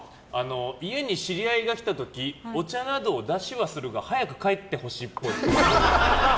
家に知り合いが来た時お茶などを出しはするが早く帰ってほしいっぽい。